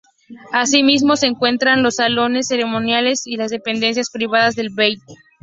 Asimismo se encuentran los salones ceremoniales y las dependencias privadas del bey.